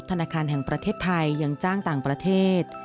ธนาคารแห่งประเทศไทยยังจ้างต่างประเทศ